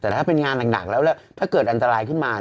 แต่ถ้าเป็นงานหนักแล้วถ้าเกิดอันตรายขึ้นมา